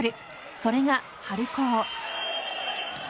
それが春高。